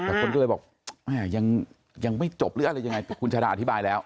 แต่คนก็เลยบอกแม่ยังไม่จบหรืออะไรยังไงคุณชาดาอธิบายแล้ว